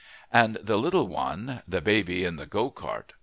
And the little one the baby in the go cart.